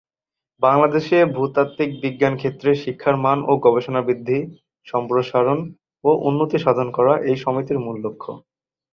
বাংলাদেশে ভূতাত্ত্বিক বিজ্ঞান ক্ষেত্রে শিক্ষার মান ও গবেষণা বৃদ্ধি, সম্প্রসারণ ও উন্নতি সাধন করা এই সমিতির মূল লক্ষ্য।